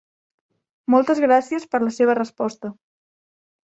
Moltes gràcies per la seva resposta.